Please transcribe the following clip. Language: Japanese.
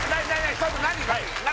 ちょっと何？